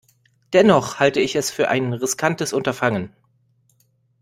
Dennoch halte ich es für ein riskantes Unterfangen.